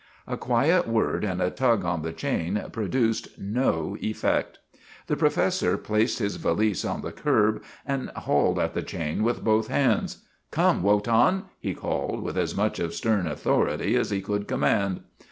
A quiet word and a tug on the chain produced no effect. The professor placed his valise on the curb and hauled at the chain with both hands. " Come, Wotan," he called, with as much of stern authority as he could command.